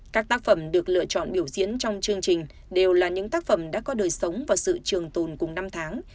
các tác phẩm được lựa chọn biểu diễn trong chương trình đều là những tác phẩm đã có đời sống và sự trường tồn cùng năm tháng